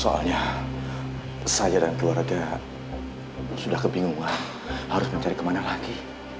soalnya saya dan keluarga sudah kebingungan harus mencari kemana lagi